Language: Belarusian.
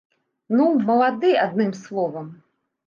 Ну, малады, адным словам.